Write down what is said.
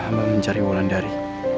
hamba mencari wulan dari